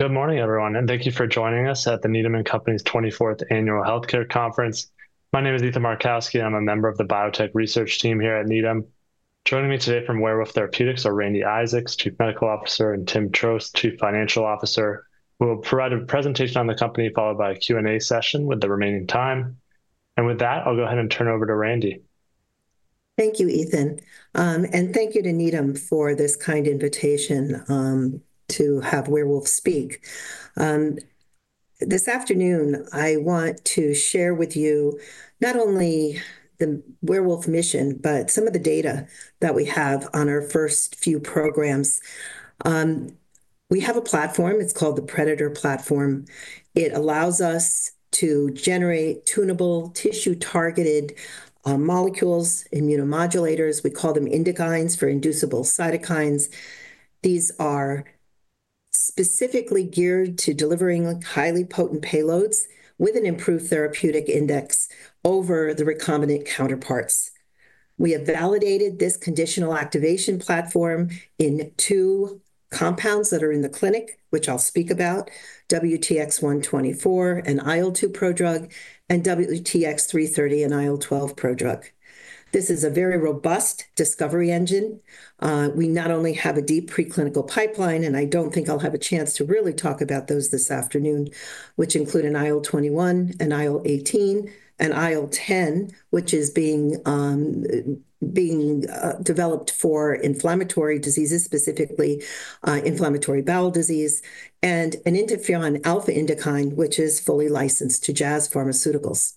Good morning, everyone, and thank you for joining us at the Needham & Company's 24th annual healthcare conference. My name is Ethan Markowski. I'm a member of the biotech research team here at Needham. Joining me today from Werewolf Therapeutics are Randi Isaacs, Chief Medical Officer, and Tim Trost, Chief Financial Officer. We'll provide a presentation on the company, followed by a Q&A session with the remaining time. With that, I'll go ahead and turn it over to Randi. Thank you, Ethan. Thank you to Needham for this kind invitation to have Werewolf speak. This afternoon, I want to share with you not only the Werewolf mission, but some of the data that we have on our first few programs. We have a platform. It's called the Predator Platform. It allows us to generate tunable tissue-targeted molecules, immunomodulators. We call them INDUKINE for inducible cytokines. These are specifically geared to delivering highly potent payloads with an improved therapeutic index over the recombinant counterparts. We have validated this conditional activation platform in two compounds that are in the clinic, which I'll speak about: WTX-124, an IL-2 prodrug, and WTX-330, an IL-12 prodrug. This is a very robust discovery engine. We not only have a deep preclinical pipeline, and I don't think I'll have a chance to really talk about those this afternoon, which include an IL-21, an IL-18, and IL-10, which is being developed for inflammatory diseases, specifically inflammatory bowel disease, and an interferon alpha INDUKINE, which is fully licensed to Jazz Pharmaceuticals.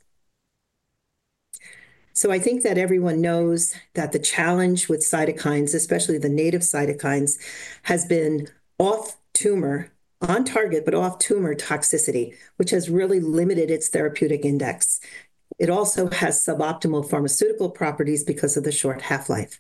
I think that everyone knows that the challenge with cytokines, especially the native cytokines, has been off-tumor, on-target, but off-tumor toxicity, which has really limited its therapeutic index. It also has suboptimal pharmaceutical properties because of the short half-life.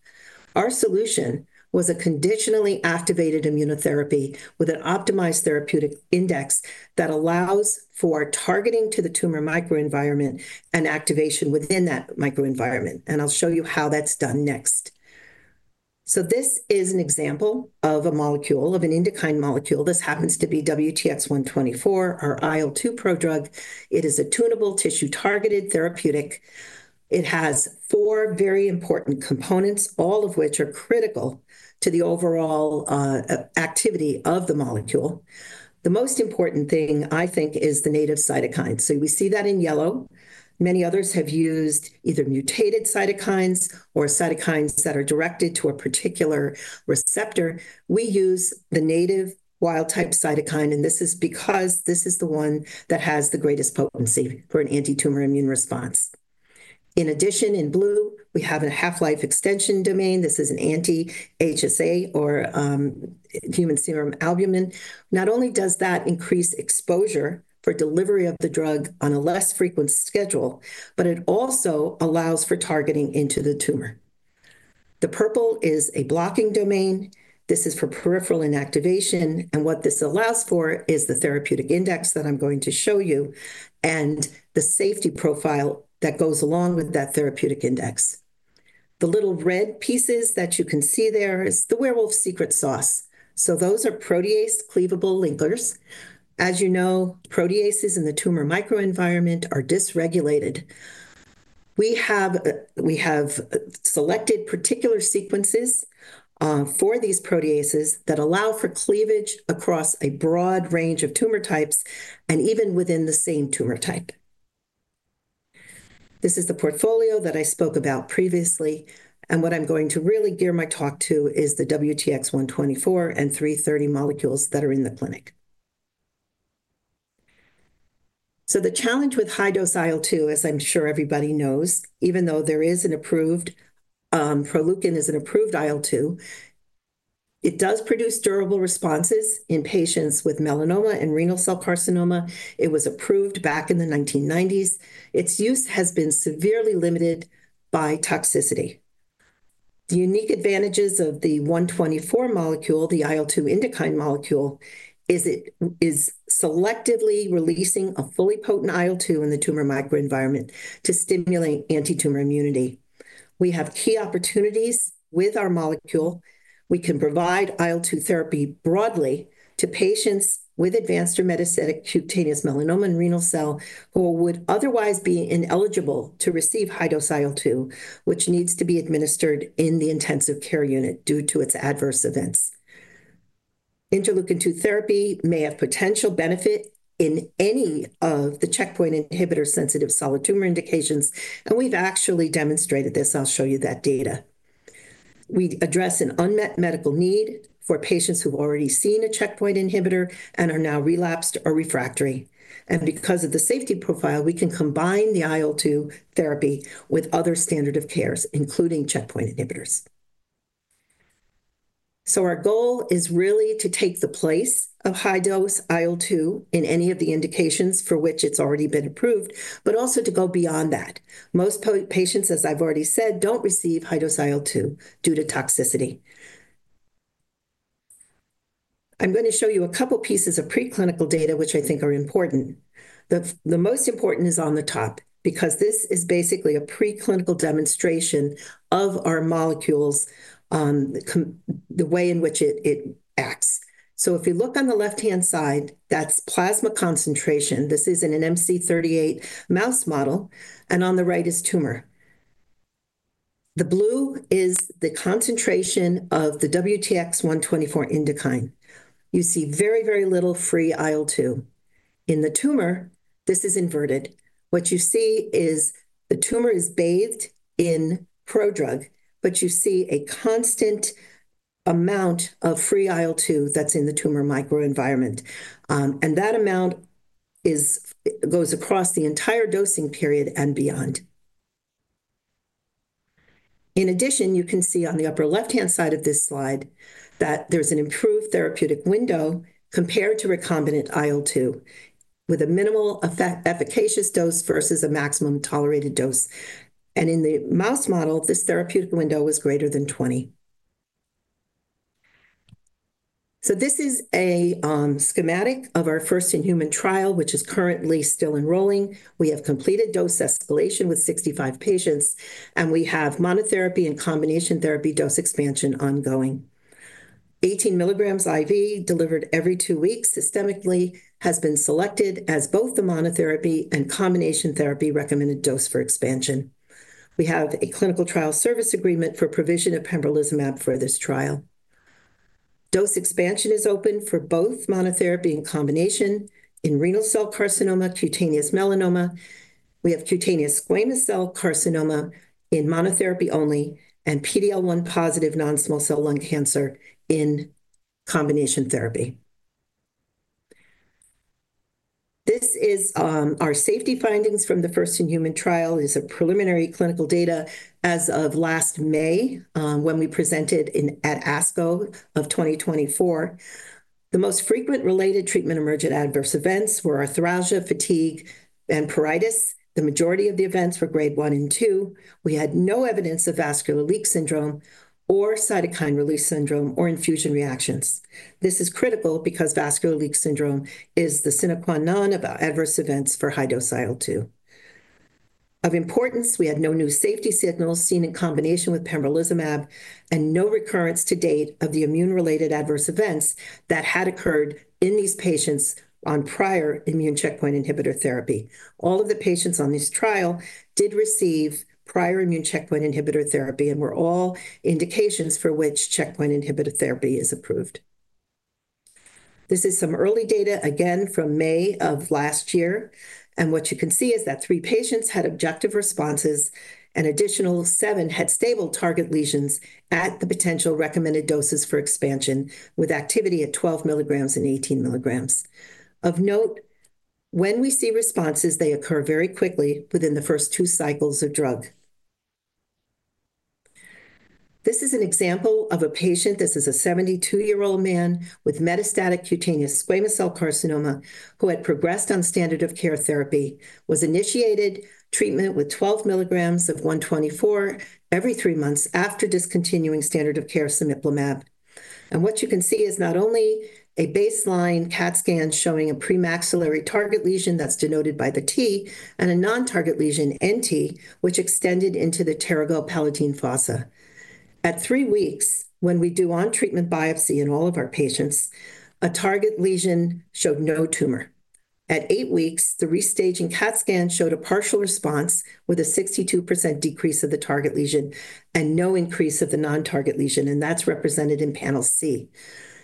Our solution was a conditionally activated immunotherapy with an optimized therapeutic index that allows for targeting to the tumor microenvironment and activation within that microenvironment. I'll show you how that's done next. This is an example of a molecule, of an INDUKINE molecule. This happens to be WTX-124, our IL-2 prodrug. It is a tunable tissue-targeted therapeutic. It has four very important components, all of which are critical to the overall activity of the molecule. The most important thing, I think, is the native cytokines. So we see that in yellow. Many others have used either mutated cytokines or cytokines that are directed to a particular receptor. We use the native wild-type cytokine, and this is because this is the one that has the greatest potency for an anti-tumor immune response. In addition, in blue, we have a half-life extension domain. This is an anti-HSA or Human Serum Albumin. Not only does that increase exposure for delivery of the drug on a less frequent schedule, but it also allows for targeting into the tumor. The purple is a blocking domain. This is for peripheral inactivation. What this allows for is the therapeutic index that I'm going to show you and the safety profile that goes along with that therapeutic index. The little red pieces that you can see there is the Werewolf secret sauce. Those are protease-cleavable linkers. As you know, proteases in the tumor microenvironment are dysregulated. We have selected particular sequences for these proteases that allow for cleavage across a broad range of tumor types and even within the same tumor type. This is the portfolio that I spoke about previously. What I'm going to really gear my talk to is the WTX-124 and 330 molecules that are in the clinic. The challenge with high-dose IL-2, as I'm sure everybody knows, even though there is an approved Proleukin, is an approved IL-2, it does produce durable responses in patients with melanoma and renal cell carcinoma. It was approved back in the 1990s. Its use has been severely limited by toxicity. The unique advantages of the 124 molecule, the IL-2 INDUKINE molecule, is it is selectively releasing a fully potent IL-2 in the tumor microenvironment to stimulate anti-tumor immunity. We have key opportunities with our molecule. We can provide IL-2 therapy broadly to patients with advanced or metastatic cutaneous melanoma and renal cell who would otherwise be ineligible to receive high-dose IL-2, which needs to be administered in the intensive care unit due to its adverse events. Interleukin-2 therapy may have potential benefit in any of the checkpoint inhibitor-sensitive solid tumor indications. We have actually demonstrated this. I'll show you that data. We address an unmet medical need for patients who've already seen a checkpoint inhibitor and are now relapsed or refractory. Because of the safety profile, we can combine the IL-2 therapy with other standard of cares, including checkpoint inhibitors. Our goal is really to take the place of high-dose IL-2 in any of the indications for which it's already been approved, but also to go beyond that. Most patients, as I've already said, don't receive high-dose IL-2 due to toxicity. I'm going to show you a couple of pieces of preclinical data, which I think are important. The most important is on the top because this is basically a preclinical demonstration of our molecules, the way in which it acts. If you look on the left-hand side, that's plasma concentration. This is in an MC38 mouse model. On the right is tumor. The blue is the concentration of the WTX-124 INDUKINE. You see very, very little free IL-2. In the tumor, this is inverted. What you see is the tumor is bathed in prodrug, but you see a constant amount of free IL-2 that's in the tumor microenvironment. That amount goes across the entire dosing period and beyond. In addition, you can see on the upper left-hand side of this slide that there's an improved therapeutic window compared to recombinant IL-2 with a minimal efficacious dose versus a maximum tolerated dose. In the mouse model, this therapeutic window was greater than 20. This is a schematic of our first in-human trial, which is currently still enrolling. We have completed dose escalation with 65 patients, and we have monotherapy and combination therapy dose expansion ongoing. 18 mg IV delivered every two weeks systemically has been selected as both the monotherapy and combination therapy recommended dose for expansion. We have a clinical trial service agreement for provision of pembrolizumab for this trial. Dose expansion is open for both monotherapy and combination in renal cell carcinoma, cutaneous melanoma. We have cutaneous squamous cell carcinoma in monotherapy only and PD-L1 positive non-small cell lung cancer in combination therapy. This is our safety findings from the first in-human trial. It is preliminary clinical data as of last May when we presented at ASCO of 2024. The most frequent related treatment emergent adverse events were arthralgia, fatigue, and pruritus. The majority of the events were grade one and two. We had no evidence of vascular leak syndrome or cytokine release syndrome or infusion reactions. This is critical because vascular leak syndrome is the sine qua non of adverse events for high-dose IL-2. Of importance, we had no new safety signals seen in combination with pembrolizumab and no recurrence to date of the immune-related adverse events that had occurred in these patients on prior immune checkpoint inhibitor therapy. All of the patients on this trial did receive prior immune checkpoint inhibitor therapy and were all indications for which checkpoint inhibitor therapy is approved. This is some early data, again, from May of last year. What you can see is that three patients had objective responses and an additional seven had stable target lesions at the potential recommended doses for expansion with activity at 12 mg and 18 mg. Of note, when we see responses, they occur very quickly within the first two cycles of drug. This is an example of a patient. This is a 72-year-old man with metastatic cutaneous squamous cell carcinoma who had progressed on standard of care therapy, was initiated treatment with 12 mg of 124 every three months after discontinuing standard of care cemiplimab. What you can see is not only a baseline CAT scan showing a premaxillary target lesion that's denoted by the T and a non-target lesion NT, which extended into the pterygopalatine fossa. At three weeks, when we do on-treatment biopsy in all of our patients, a target lesion showed no tumor. At eight weeks, the restaging CAT scan showed a partial response with a 62% decrease of the target lesion and no increase of the non-target lesion. That's represented in panel C.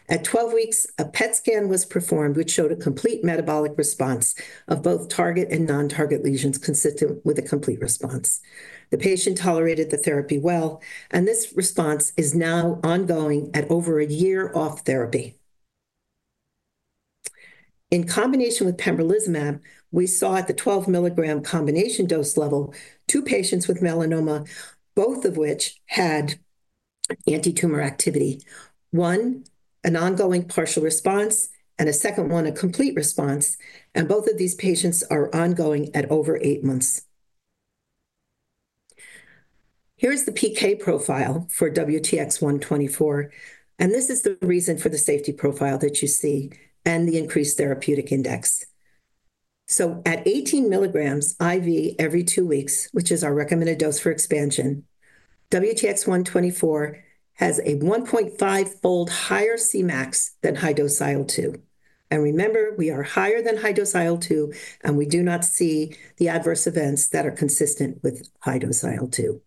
At 12 weeks, a PET scan was performed, which showed a complete metabolic response of both target and non-target lesions consistent with a complete response. The patient tolerated the therapy well, and this response is now ongoing at over a year off therapy. In combination with pembrolizumab, we saw at the 12 mg combination dose level two patients with melanoma, both of which had anti-tumor activity. One, an ongoing partial response, and a second one, a complete response. Both of these patients are ongoing at over eight months. Here is the PK profile for WTX-124. This is the reason for the safety profile that you see and the increased therapeutic index. At 18 mg IV every two weeks, which is our recommended dose for expansion, WTX-124 has a 1.5-fold higher Cmax than high-dose IL-2. Remember, we are higher than high-dose IL-2, and we do not see the adverse events that are consistent with high-dose IL-2.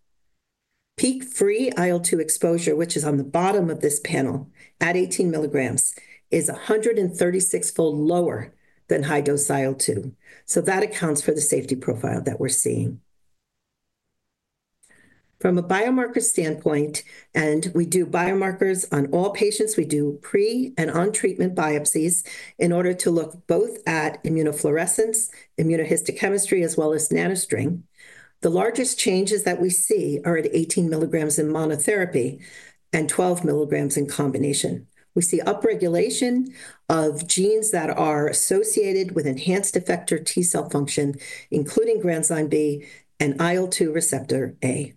Peak free IL-2 exposure, which is on the bottom of this panel at 18 mg, is 136-fold lower than high-dose IL-2. That accounts for the safety profile that we're seeing. From a biomarker standpoint, and we do biomarkers on all patients, we do pre and on-treatment biopsies in order to look both at immunofluorescence, immunohistochemistry, as well as NanoString. The largest changes that we see are at 18 mg in monotherapy and 12 mg in combination. We see upregulation of genes that are associated with enhanced effector T cell function, including granzyme B and IL-2 receptor A.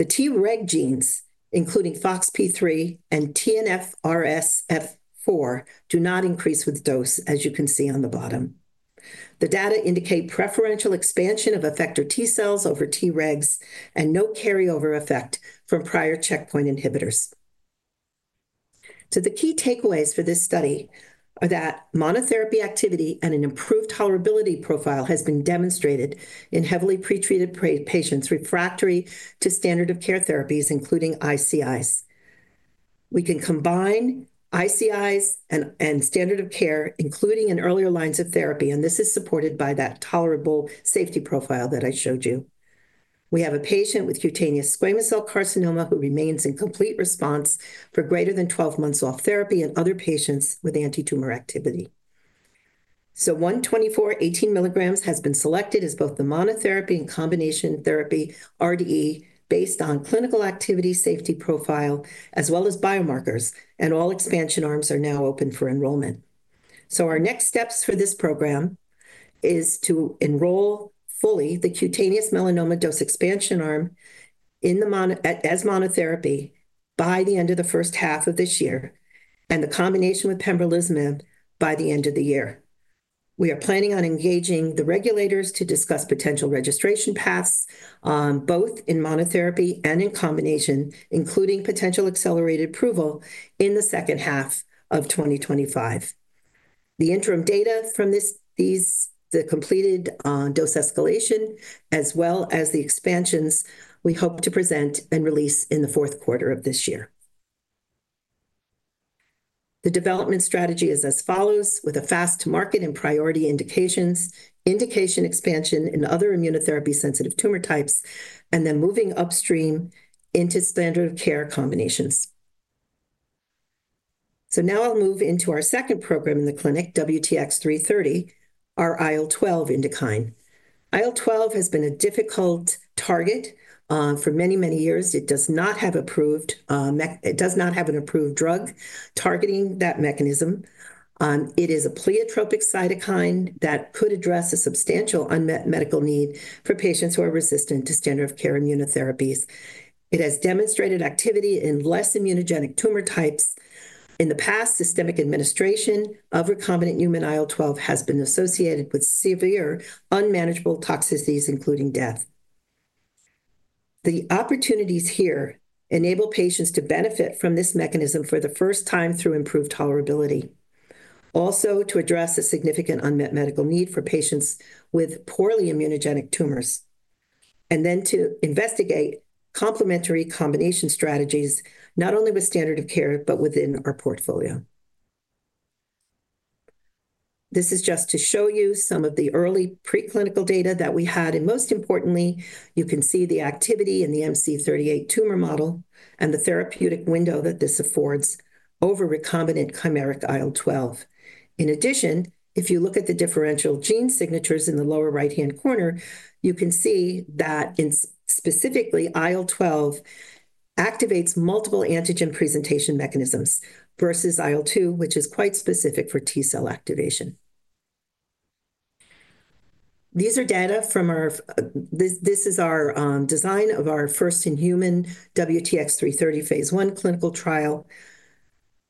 The Treg genes, including FOXP3 and TNFRSF4, do not increase with dose, as you can see on the bottom. The data indicate preferential expansion of effector T cells over Tregs and no carryover effect from prior checkpoint inhibitors. The key takeaways for this study are that monotherapy activity and an improved tolerability profile has been demonstrated in heavily pretreated patients refractory to standard of care therapies, including ICIs. We can combine ICIs and standard of care, including in earlier lines of therapy, and this is supported by that tolerable safety profile that I showed you. We have a patient with cutaneous squamous cell carcinoma who remains in complete response for greater than 12 months off therapy and other patients with anti-tumor activity. So 124, 18 mg has been selected as both the monotherapy and combination therapy RDE based on clinical activity safety profile, as well as biomarkers, and all expansion arms are now open for enrollment. Our next steps for this program is to enroll fully the cutaneous melanoma dose expansion arm as monotherapy by the end of the first half of this year and the combination with pembrolizumab by the end of the year. We are planning on engaging the regulators to discuss potential registration paths both in monotherapy and in combination, including potential accelerated approval in the second half of 2025. The interim data from this, the completed dose escalation, as well as the expansions, we hope to present and release in the fourth quarter of this year. The development strategy is as follows, with a fast market and priority indications, indication expansion in other immunotherapy-sensitive tumor types, and then moving upstream into standard of care combinations. Now I'll move into our second program in the clinic, WTX-330, our IL-12 INDUKINE. IL-12 has been a difficult target for many, many years. It does not have approved drug targeting that mechanism. It is a pleiotropic cytokine that could address a substantial unmet medical need for patients who are resistant to standard of care immunotherapies. It has demonstrated activity in less immunogenic tumor types. In the past, systemic administration of recombinant human IL-12 has been associated with severe unmanageable toxicities, including death. The opportunities here enable patients to benefit from this mechanism for the first time through improved tolerability. Also, to address a significant unmet medical need for patients with poorly immunogenic tumors, and then to investigate complementary combination strategies not only with standard of care, but within our portfolio. This is just to show you some of the early preclinical data that we had. Most importantly, you can see the activity in the MC38 tumor model and the therapeutic window that this affords over recombinant chimeric IL-12. In addition, if you look at the differential gene signatures in the lower right-hand corner, you can see that specifically IL-12 activates multiple antigen presentation mechanisms versus IL-2, which is quite specific for T cell activation. These are data from our—this is our design of our first in-human WTX-330 phase I clinical trial.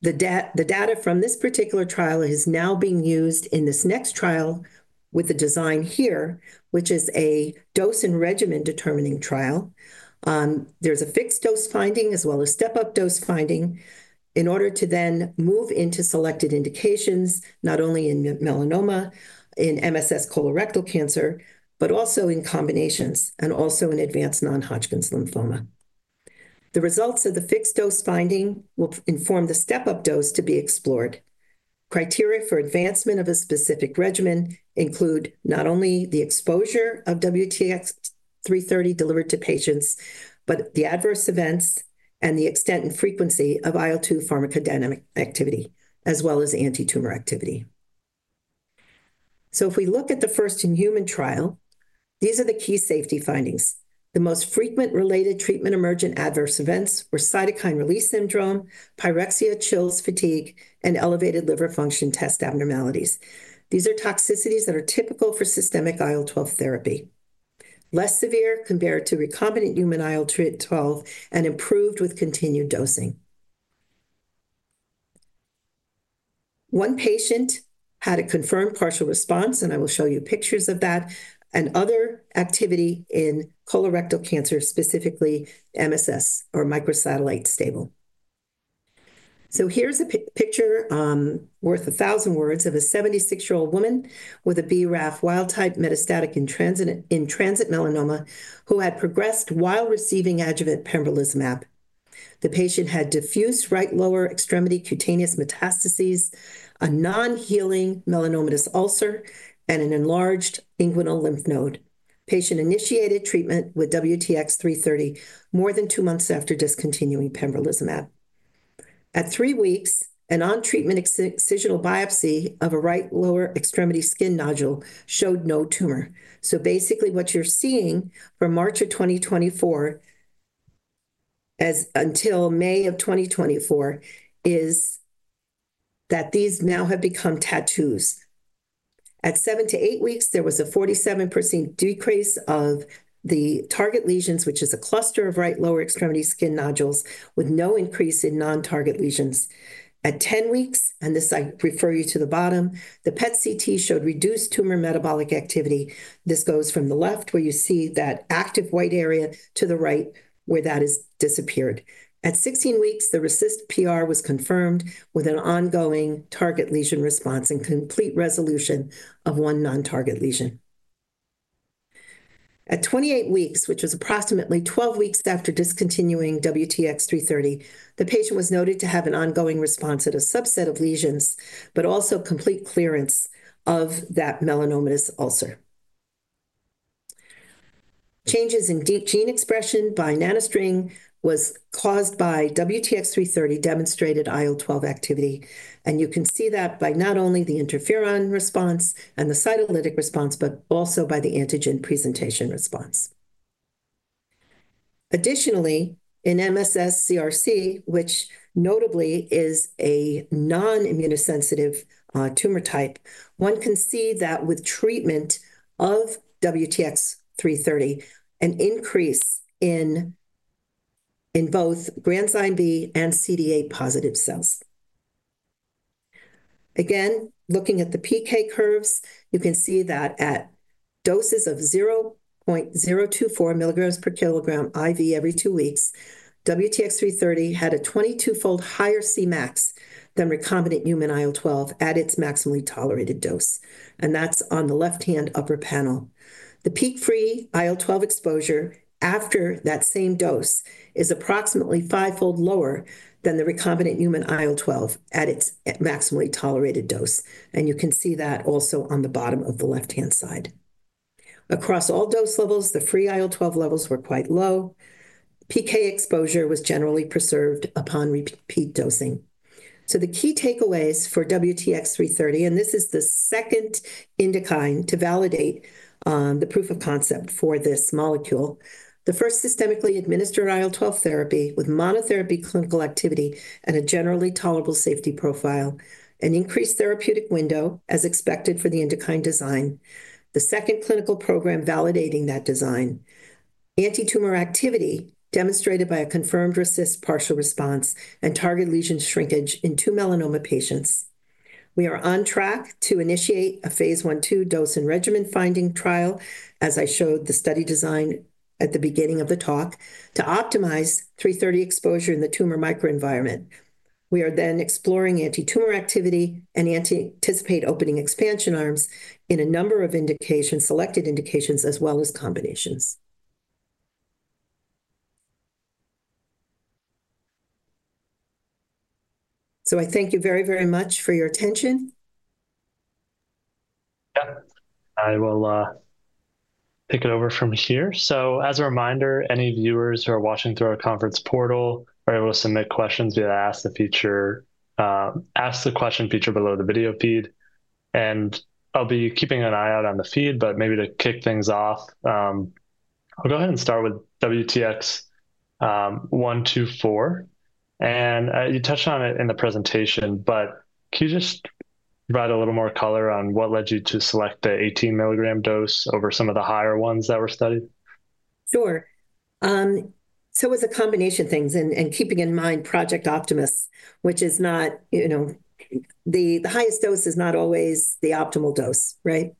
The data from this particular trial is now being used in this next trial with the design here, which is a dose and regimen determining trial. There is a fixed dose finding as well as step-up dose finding in order to then move into selected indications, not only in melanoma, in MSS colorectal cancer, but also in combinations, and also in advanced non-Hodgkin's lymphoma. The results of the fixed dose finding will inform the step-up dose to be explored. Criteria for advancement of a specific regimen include not only the exposure of WTX-330 delivered to patients, but the adverse events and the extent and frequency of IL-2 pharmacodynamic activity, as well as anti-tumor activity. If we look at the first in-human trial, these are the key safety findings. The most frequent related treatment emergent adverse events were cytokine release syndrome, pyrexia, chills, fatigue, and elevated liver function test abnormalities. These are toxicities that are typical for systemic IL-12 therapy, less severe compared to recombinant human IL-12 and improved with continued dosing. One patient had a confirmed partial response, and I will show you pictures of that, and other activity in colorectal cancer, specifically MSS or microsatellite stable. Here's a picture worth a thousand words of a 76-year-old woman with a BRAF wild-type metastatic in transit melanoma who had progressed while receiving adjuvant pembrolizumab. The patient had diffuse right lower extremity cutaneous metastases, a non-healing melanomatous ulcer, and an enlarged inguinal lymph node. Patient initiated treatment with WTX-330 more than two months after discontinuing pembrolizumab. At three weeks, an on-treatment excisional biopsy of a right lower extremity skin nodule showed no tumor. What you're seeing from March of 2024 until May of 2024 is that these now have become tattoos. At seven to eight weeks, there was a 47% decrease of the target lesions, which is a cluster of right lower extremity skin nodules, with no increase in non-target lesions. At 10 weeks, and this I refer you to the bottom, the PET CT showed reduced tumor metabolic activity. This goes from the left where you see that active white area to the right where that has disappeared. At 16 weeks, the RECIST PR was confirmed with an ongoing target lesion response and complete resolution of one non-target lesion. At 28 weeks, which was approximately 12 weeks after discontinuing WTX-330, the patient was noted to have an ongoing response at a subset of lesions, but also complete clearance of that melanomatous ulcer. Changes in deep gene expression by NanoString was caused by WTX-330 demonstrated IL-12 activity. You can see that by not only the interferon response and the cytolytic response, but also by the antigen presentation response. Additionally, in MSS-CRC, which notably is a non-immunosensitive tumor type, one can see that with treatment of WTX-330, an increase in both granzyme B and CD8 positive cells. Again, looking at the PK curves, you can see that at doses of 0.024 mg per kilogram IV every two weeks, WTX-330 had a 22-fold higher Cmax than recombinant human IL-12 at its maximally tolerated dose. That is on the left-hand upper panel. The peak free IL-12 exposure after that same dose is approximately five-fold lower than the recombinant human IL-12 at its maximally tolerated dose. You can see that also on the bottom of the left-hand side. Across all dose levels, the free IL-12 levels were quite low. PK exposure was generally preserved upon repeat dosing. The key takeaways for WTX-330, and this is the second INDUKINE to validate the proof of concept for this molecule, the first systemically administered IL-12 therapy with monotherapy clinical activity and a generally tolerable safety profile, an increased therapeutic window as expected for the INDUKINE design, the second clinical program validating that design, anti-tumor activity demonstrated by a confirmed RECIST partial response and target lesion shrinkage in two melanoma patients. We are on track to initiate a phase I two dose and regimen finding trial, as I showed the study design at the beginning of the talk, to optimize 330 exposure in the tumor microenvironment. We are then exploring anti-tumor activity and anticipate opening expansion arms in a number of selected indications as well as combinations. I thank you very, very much for your attention. Yeah, I will pick it over from here. As a reminder, any viewers who are watching through our conference portal are able to submit questions via the ask the question feature below the video feed. I'll be keeping an eye out on the feed, but maybe to kick things off, I'll go ahead and start with WTX-124. You touched on it in the presentation, but can you just provide a little more color on what led you to select the 18 mg dose over some of the higher ones that were studied? Sure. It was a combination of things and keeping in mind Project Optimus, which is not, you know, the highest dose is not always the optimal dose, right?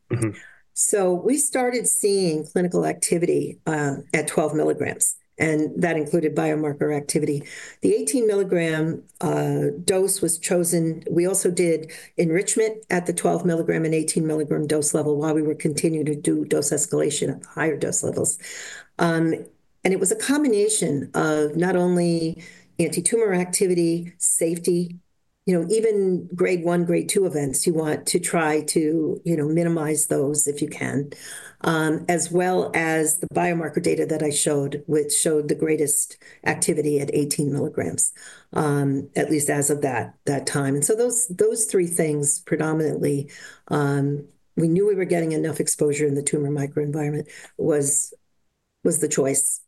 We started seeing clinical activity at 12 mg, and that included biomarker activity. The 18 mg dose was chosen. We also did enrichment at the 12 mg and 18 mg dose level while we were continuing to do dose escalation at the higher dose levels. It was a combination of not only anti-tumor activity, safety, you know, even grade one, grade two events, you want to try to, you know, minimize those if you can, as well as the biomarker data that I showed, which showed the greatest activity at 18 mg, at least as of that time. Those three things predominantly, we knew we were getting enough exposure in the tumor microenvironment was the choice,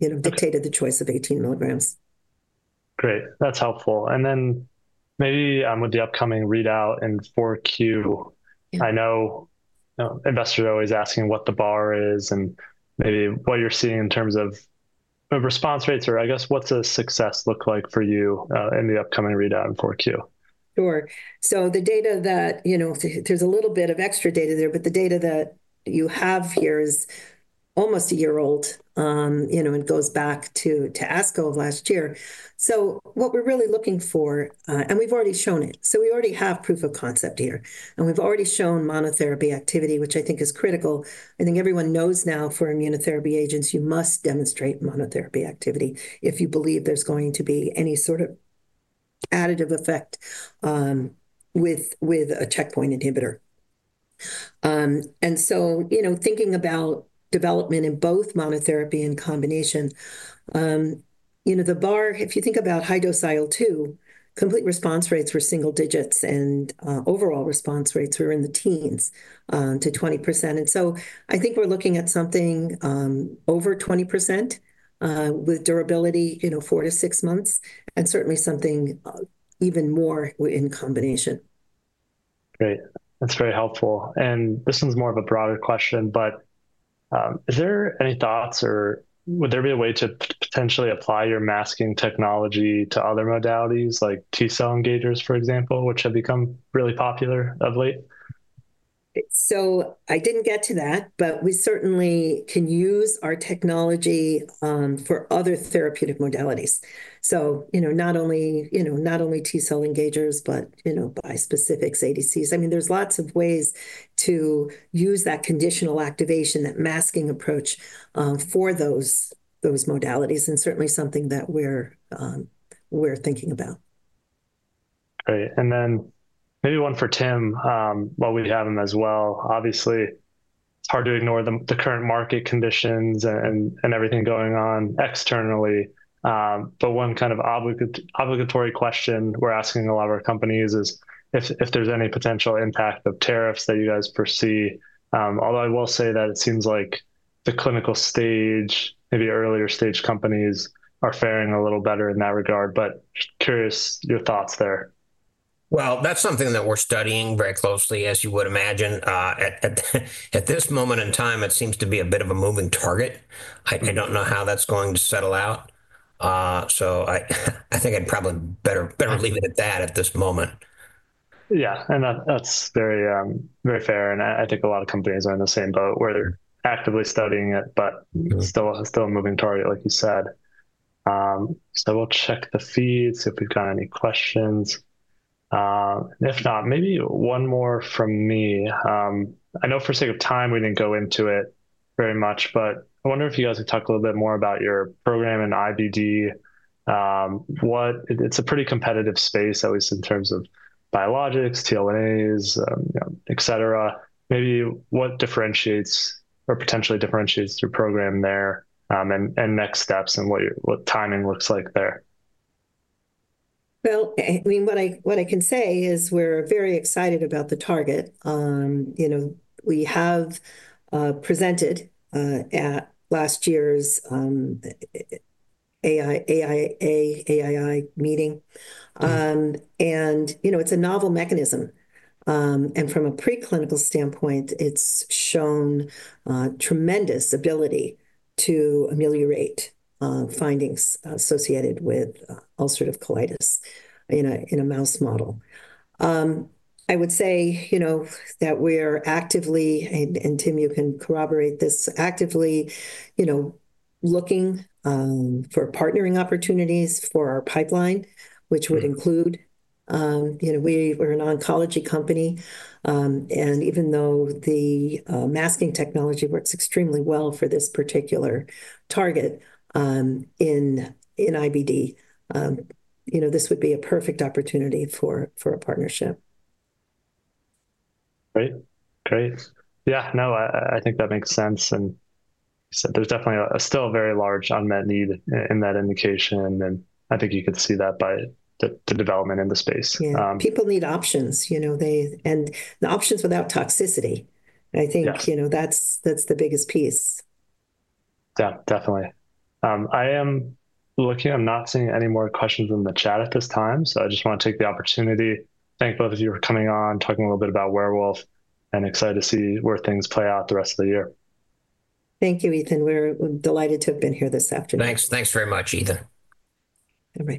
you know, dictated the choice of 18 mg. Great. That's helpful. Maybe with the upcoming readout in 4Q, I know investors are always asking what the bar is and maybe what you're seeing in terms of response rates or I guess what's a success look like for you in the upcoming readout in 4Q? Sure. The data that, you know, there's a little bit of extra data there, but the data that you have here is almost a year old, you know, and goes back to ASCO of last year. What we're really looking for, and we've already shown it. We already have proof of concept here, and we've already shown monotherapy activity, which I think is critical. I think everyone knows now for immunotherapy agents, you must demonstrate monotherapy activity if you believe there's going to be any sort of additive effect with a checkpoint inhibitor. You know, thinking about development in both monotherapy and combination, you know, the bar, if you think about high-dose IL-2, complete response rates were single digits and overall response rates were in the teens to 20%. I think we're looking at something over 20% with durability, you know, four to six months, and certainly something even more in combination. Great. That's very helpful. This one's more of a broader question, but is there any thoughts or would there be a way to potentially apply your masking technology to other modalities like T cell engagers, for example, which have become really popular of late? I didn't get to that, but we certainly can use our technology for other therapeutic modalities. You know, not only T cell engagers, but, you know, bispecifics, ADCs. I mean, there's lots of ways to use that conditional activation, that masking approach for those modalities, and certainly something that we're thinking about. Great. And then maybe one for Tim while we have him as well. Obviously, it's hard to ignore the current market conditions and everything going on externally. One kind of obligatory question we're asking a lot of our companies is if there's any potential impact of tariffs that you guys foresee. Although I will say that it seems like the clinical stage, maybe earlier stage companies are faring a little better in that regard, but curious your thoughts there. That is something that we're studying very closely, as you would imagine. At this moment in time, it seems to be a bit of a moving target. I don't know how that's going to settle out. I think I'd probably better leave it at that at this moment. Yeah. That's very fair. I think a lot of companies are in the same boat where they're actively studying it, but still a moving target, like you said. We'll check the feed, see if we've got any questions. If not, maybe one more from me. I know for sake of time, we didn't go into it very much, but I wonder if you guys could talk a little bit more about your program in IBD. It's a pretty competitive space, at least in terms of biologics, TL1As, et cetera. Maybe what differentiates or potentially differentiates your program there and next steps and what timing looks like there? I mean, what I can say is we're very excited about the target. You know, we have presented at last year's AAI meeting. You know, it's a novel mechanism. From a preclinical standpoint, it's shown tremendous ability to ameliorate findings associated with ulcerative colitis in a mouse model. I would say, you know, that we're actively, and Tim, you can corroborate this, actively, you know, looking for partnering opportunities for our pipeline, which would include, you know, we're an oncology company. Even though the masking technology works extremely well for this particular target in IBD, you know, this would be a perfect opportunity for a partnership. Great. Great. Yeah. No, I think that makes sense. There's definitely still a very large unmet need in that indication. I think you could see that by the development in the space. People need options, you know, and the options without toxicity. I think, you know, that's the biggest piece. Yeah, definitely. I am looking, I'm not seeing any more questions in the chat at this time. I just want to take the opportunity, thank both of you for coming on, talking a little bit about Werewolf, and excited to see where things play out the rest of the year. Thank you, Ethan. We're delighted to have been here this afternoon. Thanks. Thanks very much, Ethan. Have a good.